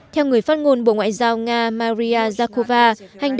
theo người phát ngôn bộ ngoại giao nga maria zakova